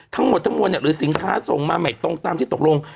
ทั้งหมดทั้งมวลหรือสินค้าส่งมาใหม่ตรงตามที่ตกลง